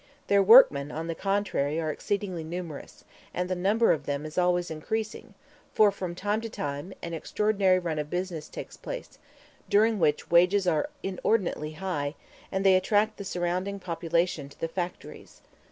Their workmen on the contrary are exceedingly numerous, and the number of them is always increasing; for, from time to time, an extraordinary run of business takes place, during which wages are inordinately high, and they attract the surrounding population to the factories.